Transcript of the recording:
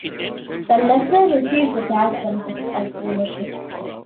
The lessor receives the tax benefits of ownership.